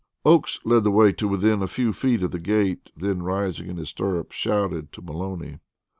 Oakes led the way to within a few feet of the gate, then rising in his stirrups shouted to Maloney.